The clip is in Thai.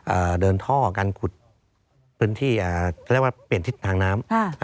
อ่าเดินท่อการขุดพื้นที่อ่าเรียกว่าเปลี่ยนทิศทางน้ำอ่า